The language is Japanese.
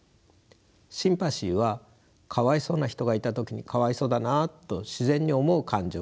シンパシーはかわいそうな人がいた時にかわいそうだなと自然に思う感情です。